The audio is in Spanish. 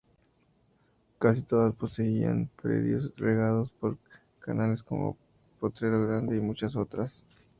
Casi todas poseían predios regados por canales como "Potrero Grande"y muchas otras.